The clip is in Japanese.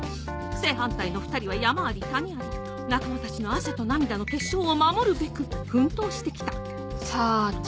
正反対の２人は山あり谷あり仲間たちの汗と涙の結晶を守るべく奮闘してきた「さーちゃん」。